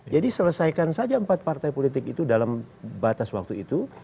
jadi selesaikan saja empat partai politik itu dalam batas waktu itu